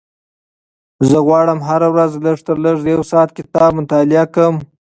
زه غواړم هره ورځ لږترلږه یو ساعت کتاب مطالعه کړم.